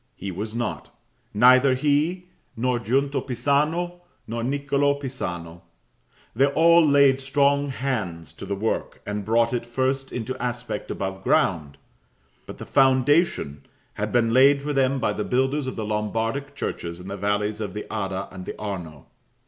He was not: neither he, nor Giunta Pisano, nor Niccolo Pisano. They all laid strong hands to the work, and brought it first into aspect above ground; but the foundation had been laid for them by the builders of the Lombardic churches in the valleys of the Adda and the Arno.